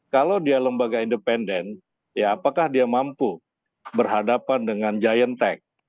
kalau dia lembaga independen ya apakah dia mampu berhadapan dengan giant tech